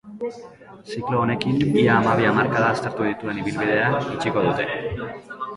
Ziklo honekin, ia hamabi hamarkada aztertu dituen ibilbidea itxiko dute.